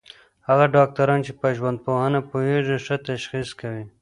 هغه ډاکټر چي په ژوندپوهنه پوهېږي، ښه تشخیص کوي.